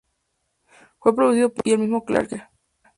Fue producido por Flood y el mismo Clarke.